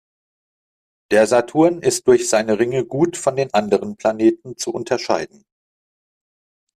Der Saturn ist durch seine Ringe gut von den anderen Planeten zu unterscheiden.